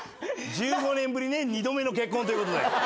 １５年ぶりにね二度目の結婚ということで。